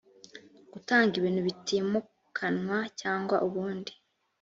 gutanga ibintu bitimukanwa cyangwa ubundi